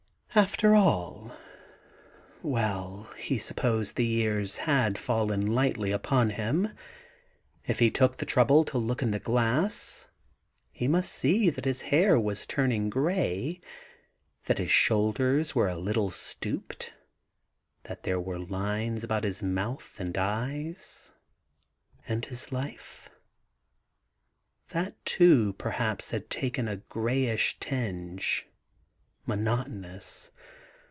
After alll ... Well, he supposed the years had fallen lightly upon him. If he took the trouble to look in the glass he must see that his hair was turning grey, that his shoulders were a little stooped, that there were lines about his mouth and eyes. ... And his life ?— that too, perhaps, had taken a greyish tinge. ... Monotonous